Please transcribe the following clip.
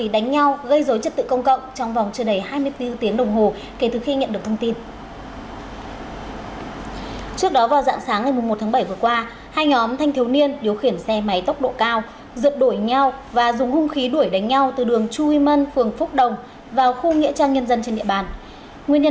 đáng chú ý trong đó có sáu mươi bốn mươi một gram nghi là chất ma túy ketamin